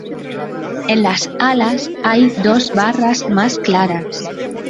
En las alas, hay dos barras más claras.